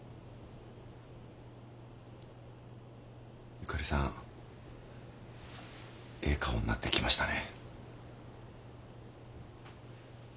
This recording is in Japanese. ゆかりさんええ顔になってきましたね。